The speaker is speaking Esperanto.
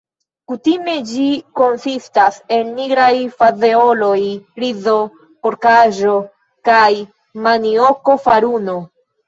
Kutime ĝi konsistas el nigraj fazeoloj, rizo, porkaĵo kaj manioko-faruno.